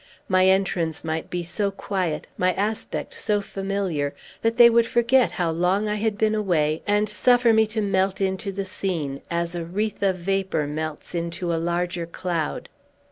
My entrance might be so quiet, my aspect so familiar, that they would forget how long I had been away, and suffer me to melt into the scene, as a wreath of vapor melts into a larger cloud.